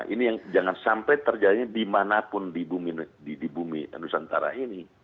ini yang jangan sampai terjadi dimanapun di bumi nusantara ini